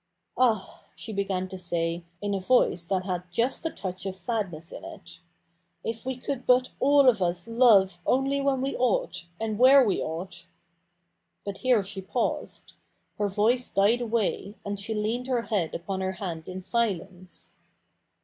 ' Ah,' she began to say, in a voice that had just a touch of sadness in it, 'if we could but all of us love only when we ought, and where we ought —' But here she paused. Her voice died away, and she leaned her head upon her hand in silence.